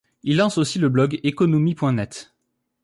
Il lance aussi le blog économie.net.